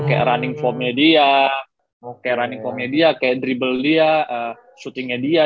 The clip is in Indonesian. kayak running form nya dia kayak dribble dia shooting nya dia